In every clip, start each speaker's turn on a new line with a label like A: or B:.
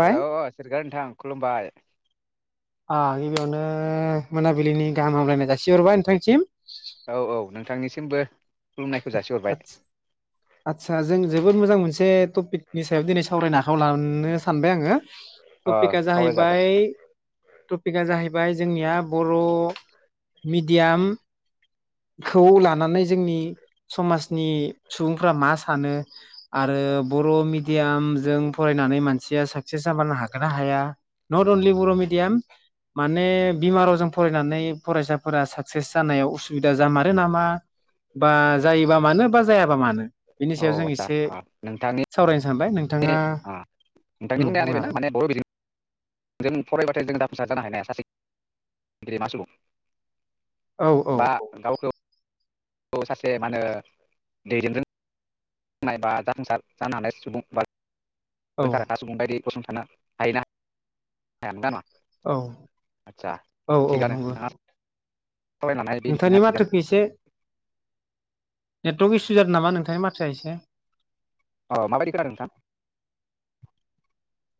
A: हेल' सोरगोयारि नोंथां खलुमबाय
B: आ गिबियावनो मोनाबिलिनि गाहाम हामलायनाय जासिहरबाय नोंथांसिम
A: औ औ नोंथां थांनिसिमबो
B: आथस आतसा जों जोबोद मोजां मोनसे टपिक नि सायाव दिनै सावरायनो हाखौ लानो सानबाय आङो
A: अ
B: टपिकआ
A: सावरायजागोन
B: जाहैबाय टपिकआ जाहैबाय जोंनिया बर मिडियाम खौ लानानै जोंनि समाजनि सुबुंफ्रा मा सानो आरो बर' मिडियामजों फरायनानै मानसिया साक्सेस जाबारनो हाग गोना हाया? नट अनलि बर मिडियाम माने बिमा रावजों फरायनानै फरायसाफोरा सा सेस जानायाव असुबिदा जामारो नामा? बा जायोबा मानो बा जायाबा मानो? बिनि
A: औ
B: सायाव जों
A: आदसा
B: एसे
A: अ नोंथांनि
B: सावरायनो सानबाय। नोंथाङा
A: अ
B: उम बुंनो हागोन।
A: जों फरायबाथाय जों [unintelligible] जानो हायोना हाया सासे गेदेमा सुबुं?
B: औ औ
A: बा गावखौ खौ सासे मा होनो [unintelligible] हानाय सुबुं बा
B: औ
A: [unintelligible] [unintelligible]
B: औ
A: आदसा
B: औ औ
A: थिगानो
B: नंगौ
A: नोंथाङा सावरायनो लानाय बे बिथिङा
B: नोंथांनि
A: थिगानो
B: माथोखौ एसे नेटवर्क इसु जादों नामा नोंथांनि माथोया एसे
A: औ माबायदि खोनादों नोंथां?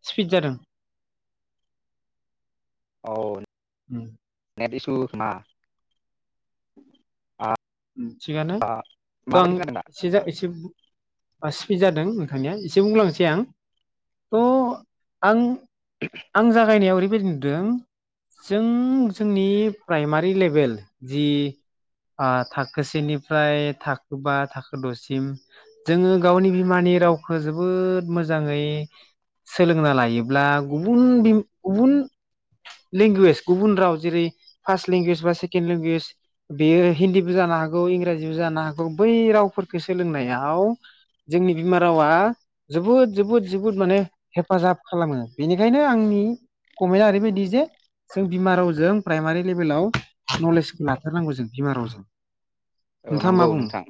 B: स्पिड जादों।
A: औ
B: उम
A: नेड थख [unintelligible]
B: थिगानो। थ' आं
A: खोनादों दा
B: एसे जा एसे सिफिट जादों नोंथांनिया एसे बुंलांसै आं। थ' आं आं जागायनायाव ओरै बेबायदि नुदों जों जोंनि प्राइमारि लेभेल जि आं थाखो सेनिफ्राय थाखो बा थाखो द'सिम जोङो गावनि बिमानि रावखौ जोबोद मोजाङै सोलोंना लायोब्ला गुबुन गुबुन लेंगुवेज गुबुन राव जेरै फार्स्ट लेंगुवेज बा सेकेणड लेंगुवेज बेयो हिन्दी जानो हागौ इंराजिबो जानो हागौ बै रावफोरखौ सोलोंनायाव जोंनि बिमा रावा जोबोद जोबोद जोबोद माने हेफाजाब खालामो बेनिखायनो आंनि कमेन्टआ ओरैबायदि जे जों बिमा रावजों प्राइमारि लेभेलाव नलेजखौ लाथारनांगौ जों बिमा रावजों।
A: औ
B: नोंथाङा मा
A: नंगौ
B: बुङो?
A: नोंथां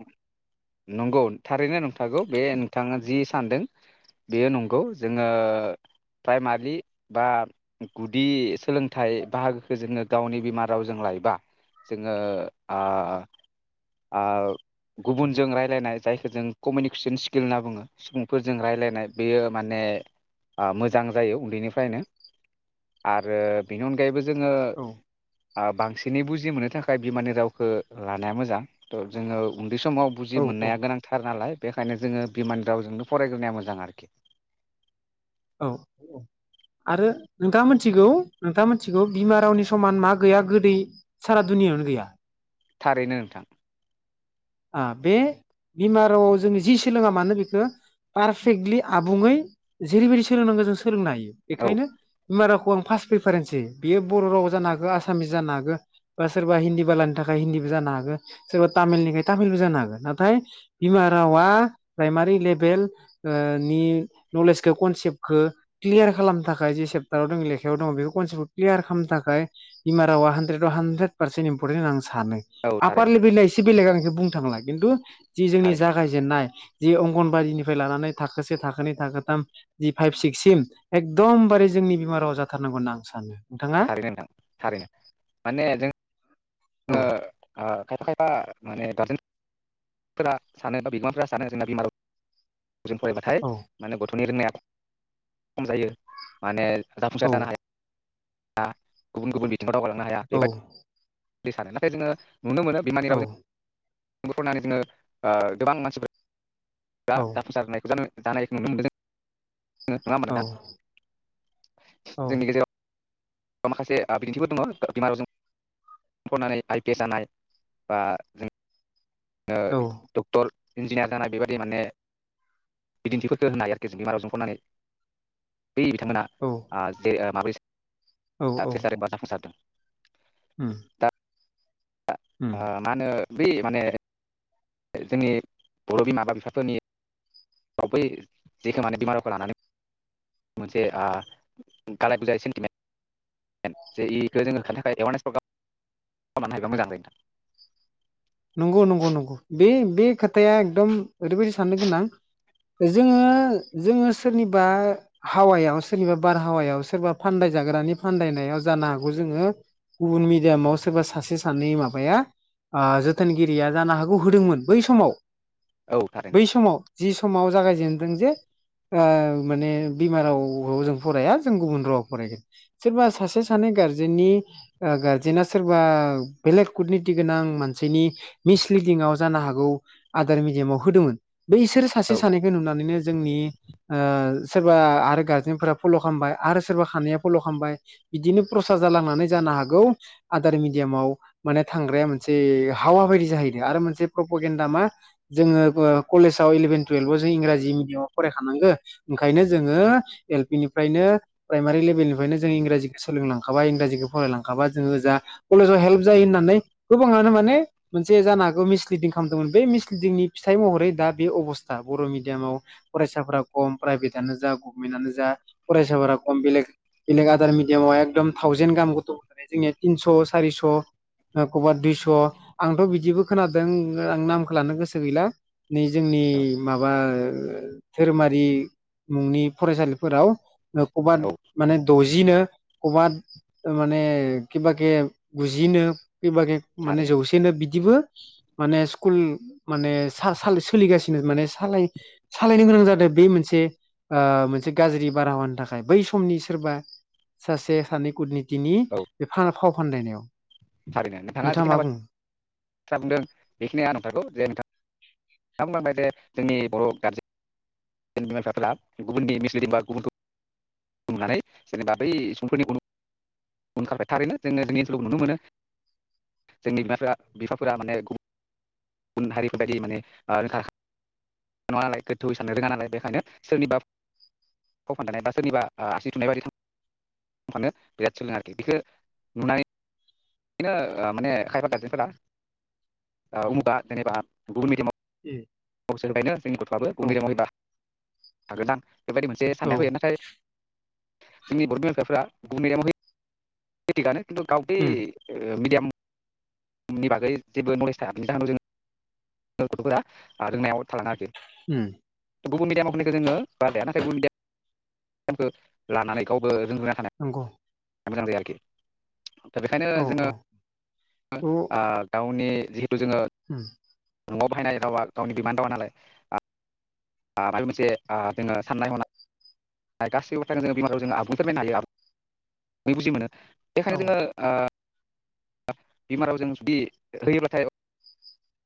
A: नंगौ थारैनो नंथागौ बे नोंथाङा जि सानदों बेयो नंगौ। जोङो प्राइमारि बा गुदि सोलोंथाइ बाहागोखौ जोङो गावनि बिमा रावजों लायोबा जोङो ओ ओ गुबुनजों रायलायनाय जायखौ जों कमिउनिकेसन स्किल होनना बुङो। सुबुंफोरजों रायलायनाय बेयो माने मोजां जायो उन्दैनिफ्रायनो। आरो बेनि अनगायैबो जो जोङो
B: औ
A: बांसिनै बुजि मोननो थाखाय बिमानि रावखौ ला मोजां थ' जोङो बे समाव बुजि
B: औ
A: मोननाया गोनांथार नालाय बेखायनो जोङो बिमान रावजोंनो फरायग्रोनाया मोजां आरो।
B: औ औआरो नोंथाङा मिथिगौ नोंथाङा मिथिगौ बिमा रावनि समान मा गैया गोदै सारा दुनिआवनो गैया
A: थारैनो नोंथां।
B: बे बिमा रावआव जोङो जि सोलोङा मानो बेखो पारफेक्टलि आबुङै जेरैबायदि सोलोंनांगौ जों सोलोंनो हायो
A: औ
B: बेखायनो बिमारावखौ खफाच बेफारेन्सि बियो बर' राव जानो हागौ आसामिस जानो हागौ बा सोरबा हिन्दी बालानि थाखाय हिन्दीबो जानो हागौ सोरबा तामिलनि तामिलबो जानो हागोन। नाथाय बिमा रावा प्राइमारि लेभेल नि नलेजखौ कनसेप्टखौ क्लियार खालामनो थाखाय जि सेेप्टाराव दङ लेखायाव दङ बेखौ कनसेप्टखौ क्लियार खालामनो थाखाय बिमा रावा हानद्रेदाव हान्द्रेद पार्सेन्ट इम्परटेन्ट होना आं सान सानो।
A: औ
B: आफपार
A: थारैनो
B: लभैनाय एसे बेलेग आं बुंनो थांला खिन्थु जि जोंनि
A: थारैनो
B: जागायजेननाय जि अंगनयादिनिफ्राय लानानै थाखोसे थाखोनै थाखोथाम जि फाइभ सिक्ससिम एकदमबारे जोंनि बिमा राव जाथारनांगौ होनना आं सानो। नोंथाङा
A: थारैनो नोंथां थारैनो माने जों
B: औ
A: जोङो ओ खायफा खायफा माने गारजेनफोरा सानो बा बिगोमाफोरा सानो जोंना बिमा राव जों फरायबाथाय
B: औ
A: माने गथ'नि रोंनाया खम जायो माने
B: औ
A: जाफुंसार जानो हाया। दा गुबुन गुबुन बिथ थिंआव दावगालांनो हाया
B: औ
A: बेबायद दै सानो नाथाय जोङो नुनो मोनो बिमानि
B: औ
A: रावजों बे फरायनानै बिदिङनो ओ गोबां मानसिफोर दा
B: औ
A: जाफुंसार होननायखौ जानो जानायखौ नुनो मोनदों जों नङा होमबा नोंथां जोंनि गेजेराव माखासे बिन्थिफोर दङ बिमा रावजों फरायनानै आइ पि एस जानाय बा जों ओ
B: औ
A: डक्टर इन्जिनियार जानाय बेबायदि माने बिदिन्थिफोरखो होनो हायो आरोखि जों बिमा रावजों फरायनानै बै बिथांमोना ओ जे माबोरै सो साकसेस जादों बा जाफुंसारदों
B: उम
A: आ मा होनो बे मानेअ जोंनि बर' बिमाबा बिफाफोर'नि बै जेखो माने बिमा रावखौ लानानै मोनसे गालाय बुजाय सेन्टिमेन्ट जे इखौ जोंङो होनो थाखाय एवारनेस प्रग्राम खालामनो हायोबा मोजां जायो नोंथां
B: नंगौ नंगौ नंगौ बे बे खोथाया एकदम ओरैबायदि साननो गोनां जोङो जोङो सोरनिबा हावायाव सोरनिबा बारहावायाव सोरबा फानदाय जाग्रानि फानदायनायाव जानो हागौ जोङो गुबुन मिडियामाव सोरबा सासे सानै माबाया ओ जोथ बोथोनगिरिया जानो हागौ होदोंमोन बै समाव
A: नोंथां औ थारैनो
B: बै समाव जि समाव जागाय जेनदों जे ओ माने बिमा राव जों फराया जों गुबुन रावाव फरायगोन सोरबा सासे सानै गारजेननि ओ गारजेना सोरबा बेलेग कुुरनितनि गोनां मानसि बेनि मिसलिडिंआव जानो हागौ आदार मिडियामाव होदोंमोन बेैसोर सासे
A: औ
B: सानैखौ नुनानैनो जोंनि औ सोरबा आरो गारजेनफोरा फल' खालामबाय आरो सोरबा खानैया फल' खालामबाय बिदिनो प्रसाद जालांनानै जानो हागौ आदार मिडियामाव माने थांग्राया मोनसे हावा बायदि जाहैदों आरो मोनसे प्रप'गेन्न्दा मा जोङो ओ कलेजाव इलेभेन टुयेल्भाव जों इंराजि मिडियामाव फरायखानांगो ओंखायनो जोङो एल पि निफ्रायनो प्राइमारि लेभेलनिफ्रायनो जों इंराजिखौ सोलोंलांखाबा इंराजिखौ फरायलांखाबा जोङो जा कलेजाव हेल्प जायो होननानै गोबाङानो माने मोनसे जानो हागौ मिसलिदिं खालामदोंमोन बे मिसलिदिंनि फिथाइ महरै दा बे अबस्था बर' मिडियामाव फरायसाफोरा खम प्राइभेटनो जा गभनमेन्टनो जा फरायसाफोरा खम बेलेग- बेलेग आदार मिडियामाव एकदम थावजेेन गाहाम गथ' जोंनिया तिनस' सारिस' एखमबा दुइस' आंथ' बिदिबो खोनादों आं नामखौ लानो गोसो गैला नै जोंनि
A: औ
B: माबा धोरोमारि मुंनि फरायसालिफोराव नो खबा
A: औ
B: माने दजि बुजिनो कबा माने कबा केे बुजिनो खबेबा माने
A: थारैनो
B: जौग बिदिबो माने स्कुल माने सा साल सोलिगासिनो माने सालाय सालायनो गोनां जादों बे मोनसे ओ मोनसे गाज्रि बारहावानि थाखाय बै समनि सोरबा सासे सानै कुदनि दिनि
A: औ
B: बे फान फाव फानदायनायाव
A: थारैनो नोंथाङा जिखिना थ्रा बुंदों बेखिनिया नंथारगौ। जे नोंथाङा बुंलांनाय बे जोंनि बर' गारजेन [unintelligible] नुनानै जेनेबा बै सुबुंफोरनि उन [unintelligible] थारैनो जोङो जोंनि ओनसोलखौ नुनो मोनो। जोंनि बिमाफोरा बिफाफोरा माने गुबुन गुबुन हारिफोरबायदि माने [unintelligible] नालाय गोथौयै साननो रोङा नालाय बेखायनो सोरनिबा फाव फान्दायनाय बा सोरनिबा ओ आसि थुनाय बायदि [unintelligible] थानो बिराद [unintelligible] बेखो नुनानै बिदिनो माने खायबा गारजेनफोरा ओ उमुगा जेनेबा गुबुन मिडियामाव
B: ए।
A: गावसोर बायनो जोंनि गथ'वाबो [unintelligible] हागोन [unintelligible] बेबायदि मोनसे
B: औ
A: साननाय फैयो। नाथाय जोंनि बर'बिमा बिफाफोरा गुबुन मिडियाम आव होयो बे थिगानो। गाव बै
B: उम
A: ओ मिडियाम बिनि बागै जेबो नलेज थाया [unintelligible] गथ'फोरा रोंनायाव थालाङा आरोखि।
B: उम
A: गुबुन मिडियामाव होनायखौ जोङो बाजाया। नाथाय गुबुन मिडियाम [unintelligible] लानानै गावबो रोंग्रोना थानाया
B: नंगौ।
A: मोजां [unintelligible] आरोखि। दा बेखायनो
B: औ
A: जोङो
B: औ थ'
A: आ
B: उम
A: गावनि जिहेथु जोङो न'आव बाहायनाय रावा गावनि बिमा रावानालाय माबा मोनसे ओ जोङो साननाय-हनाय गासिबोथ' जों [unintelligible] जों आबुं फोरमायनो हायो आरो [unintelligible] बुजि मोनो। बेखायनो
B: औ
A: जोङो ओ बिमारावजों जुदि होयोबाथाय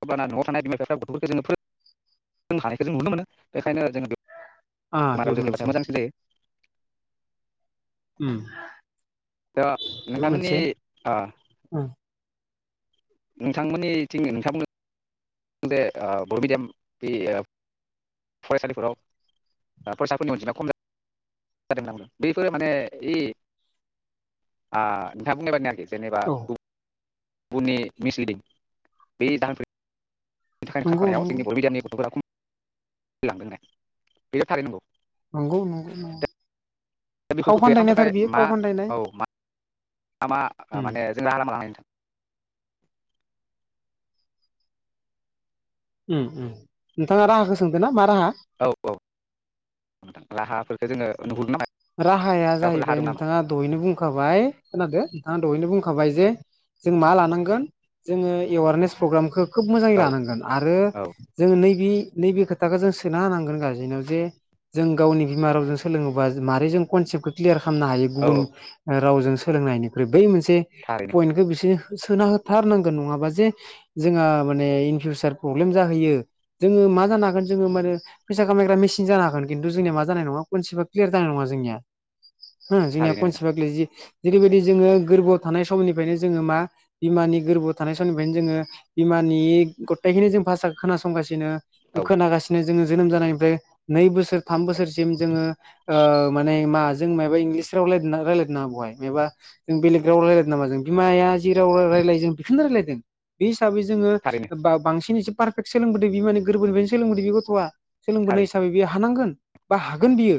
A: होनबा ना न'आव थानाय बिमाफ्रा बिफाफोरा गथ'फोरखौ जों फोरोंखानायखौ जों नुनो मोनो [unintelligible] खायनो आरो जोङो
B: आ
A: बिमा
B: बेबो
A: रावजों
B: मोनसे
A: होबाथाय मोजांसिन जायो।
B: उम।
A: दा
B: बेबो
A: नोंथांनि
B: मोनसे
A: ओ
B: उम
A: नोंथांमोननिथिं नोंथांमोन बे ओ बर' मिडियाम बि फरायसालिफोराव ओ फरायसाफोरनि अनजिमाया खम जादोंमोन होन्ना बुंदों। बेफोरो माने ओइ आ नोंथाङा बुंनाय बादिनो आरोखि। जेनेबा
B: औ
A: [unintelligible] उननि मिसलिदिं बे जाहोनफोर बेनि थाखायनो
B: नंगौ
A: खारफानायाव
B: नंगौ
A: जोंनि बर' मिडियामनि गथ'फोरा खम लांदों ने बेयो थारै नंगौ।
B: नंगौ नंगौ नंगौ
A: दा
B: फाव
A: बेफोरखौ गैया खालामनो
B: फान्दायनायथार बियो
A: थाखाय मा
B: फाव फान्दायनाय
A: औ मा मा मा
B: उम
A: माने जों राहा लामा लानो हायो नोंथां?
B: उम उम नोंथाङा राहाखौ सोंदोंना?
A: औ औ नोंथां राहाफोर। [unintelligible]
B: राहाया जाहैबाय नोंथाङा दहैनो बुंखाबाय खोनादो नोंथाङा दहैनो बुंखा खाबाय जे जों मा लानांगोन जोङो एवारनेस प्रग्रामखौ खोब मोजाङै
A: औ
B: लानांगोन आरो
A: औ
B: जोङो नैबे नैबे खोथाखौ जों सोना होनांगोन गारजेननाव जे जों गावनि बिमा रावजों सोलोङोबा मारै जों कनसेपखौ क्लियार खामनो हायो
A: औ
B: गुबुन ओ रावजों सोलोंनायनिख्रुइ बै मोन से
A: थारैनो
B: पइन्टखौ बिसोर सोना होथारनांगोन नङाबा जे जोंङो माने इन फिउसार प्रलेम जाहैयो। जोङो मा जानो हागोन जोङो माने फैसा खामायग्रा मेसिन जानो हागोन खिन्थु जोंनिया मा जानाय नङा खनसेबा क्लियार जानाय नङा जोंनिया। होम जोंनिया
A: थारैनो नोंथां
B: खनसेप आ [unintelligible] जेरैबायदि जोङो गोरबोआव थानाय समनिफ्रायनो जोङो मा बिमानि गोरबोआव थानाय समनिफ्रायनो जोङो बिमानि गथायखिननि जों भासा खोनासंगासिनो। ओ
A: औ
B: खोनागासिनो। जोङो जोनोम जानायनिफ्राय नै बोसोर थाम बोसोरसिम जोङो ओ माने मा जों मायाबा इंलिस राव रायलायदोंना ना रायलायदों नामा बहाय मायाबा जों बेलेग राव रायलायदों नामा जों बिमाया जि राव रायलायो जों बेखौनो रायलायदों। बे हिसाबै जोङो
A: थारैनो
B: ओ बा-बांसिनैसो पारफेक्ट सोलोंबोदों बि माने गोरबोनिफ्रायनो सोलोंबोदों बे गथ'आ। सोलोंबोनाय
A: थारैनो
B: हिसाबै बेयो हानांगोन बा हागोन बियो।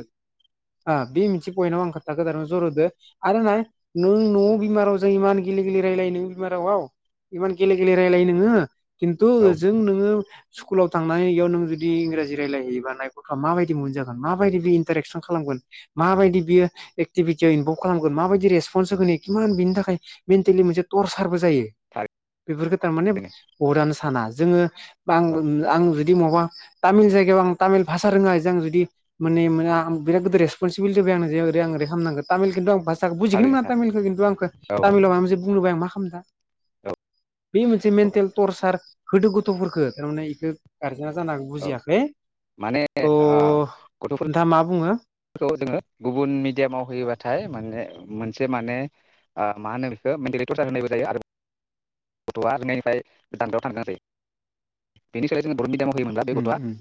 B: ओ बे मोनसे पइन्टाव आं खोन्थागोन [unintelligible] जर'होदो, आर नाय नों न'आव बिमारावजों इमान गेले गेले रायलायो नोङो बिमा रावआव इमान गेले गेले रायलायो नोङो खिन्थु
A: औ
B: ओजों नोङो स्कुलाव थांनानै इयाव नों जुदि इंराजि रायलायहैयोबा नायफ गथ'आ माबायदि मोनजागोन माबायदि बे इन्टारेकसन खालामगोन माबायदि बियो एकटिभिटीयाव इनभलभ खालामगोन, माबादि रेस्फ'न्स होगोन [unintelligible] बेनि थाखाय मेनटेलि मोनसे टरचार बो जायो
A: थारैनो
B: बेफोरखौ थारमाने बहत आनो साना जोङो
A: औ
B: [unintelligible] जुदि मबा तामिल जायगायाव आं तामिल भाषा रोङा जों जुदि माने [unintelligible] बिराद रेसपनसिबिलिटी होबाय आंनो जे ओरै आं ओरै खालामानांगोन तामिल खिनथु आं बुजिखोनो
A: थारैनो
B: मोना
A: थारैनो औ
B: तामिलखौ खिन्थु आंखौ तामिलाव आंजे बुंनोबो हाया आं मा [unintelligible]
A: औ
B: बे मोनसे मेन्टेल टरसार होदो गथ'फोरखौ थारमाने इखो गार जेना जानो हागौ
A: औ
B: बुजियाखै
A: माने
B: थ' नोंथाङा मा बुङो?
A: खौ जोङो गुबुन मिडियामाव होयोबाथाय माने मोनसे माने मा होनो बेखौ मेन्टेलि टरसार होनायबो जायो आरो गथ'आ लोंनायनिफ्राय दान्द्रायाव थांगोन आरो बेनि थाखाय जों बर' मिडियामाव होयोमोनब्ला बे
B: उम
A: गथ'आ
B: उम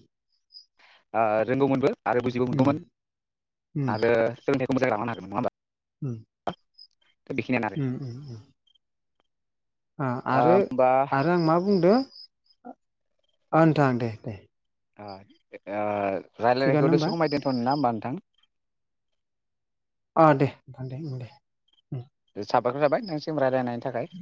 A: ओ रोंगौमोनबो आरो बुजिबो
B: उम
A: मोनगौमोन।
B: उम
A: आरो मोजां जागौमोन आरो नङा होमबा?
B: उम
A: बेखिनियानो आरो
B: उम उम ओ
A: ओ
B: आरो
A: होमबा
B: आरो आं मा बुंदों ओ नोंथा दे दे
A: ओ ओ
B: थिगानो
A: रायलायनायखौ
B: होमबा
A: दसे हमाय दोनथ'नो ना होमबा नोंथां?
B: अ दे नोंथां दे दे
A: साबायखर थाबाय नोंसिम रायलायनि थाखाय।